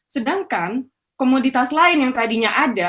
sedangkan komoditas lain yang tadinya ada